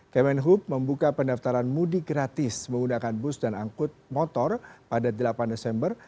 kemenhub membuka pendaftaran mudik gratis menggunakan bus dan angkut motor pada delapan desember